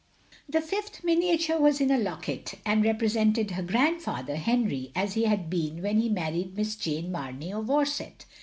The fifth miniature was in a locket, and re presented her grandfather, Henri, as he had been when he married Miss Jane Mamey of Orsett.